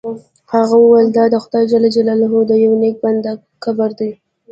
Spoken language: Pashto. هغه وویل دا د خدای جل جلاله د یو نیک بنده قبر دی.